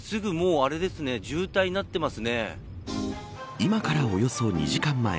今からおよそ２時間前